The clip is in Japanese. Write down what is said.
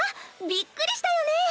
びっくりしたよね。